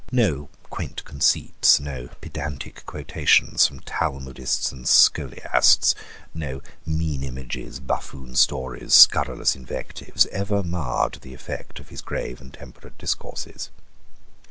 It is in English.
No quaint conceits, no pedantic quotations from Talmudists and scholiasts, no mean images, buffoon stories, scurrilous invectives, ever marred the effect of his grave and temperate discourses.